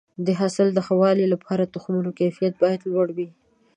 د حاصل د ښه والي لپاره د تخمونو کیفیت باید لوړ وي.